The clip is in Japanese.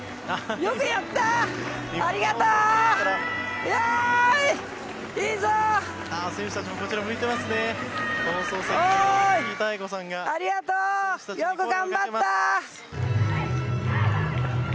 よく頑張った！